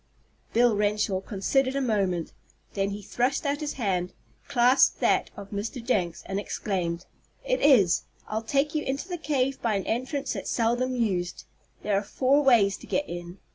Bill Renshaw considered a moment. Then he thrust out his hand, clasped that of Mr. Jenks, and exclaimed: "It is. I'll take you into the cave by an entrance that's seldom used. There are four ways to get in.